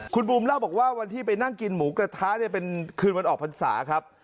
คุณบูมเล่าบอกว่าวันที่ไปนั่งกินหมูกระทะเนี่ยเป็นคืนวันออกพรรษาครับ